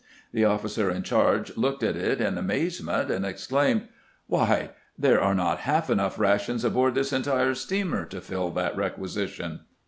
The officer in charge looked at it in amazement, and exclaimed: 'Why, there are not half enough rations aboard this entire steamer to fill that requisition.'